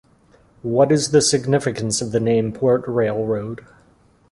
What is the significance of the name Port Railroad?